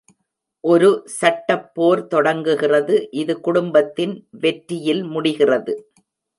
ஒரு சட்டப் போர் தொடங்குகிறது, இது குடும்பத்தின் வெற்றியில் முடிகிறது.